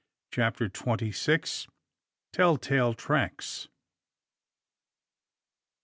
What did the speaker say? CHAPTER TWENTY SIX. TELL TALE TRACKS.